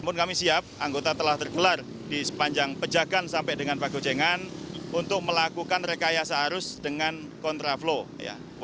kemudian kami siap anggota telah tergelar di sepanjang pejagaan sampai dengan pagi ujangan untuk melakukan rekayasa arus dengan kontraflow